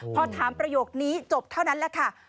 พอถามประโยคนี้จบเท่านั้นแหละค่ะ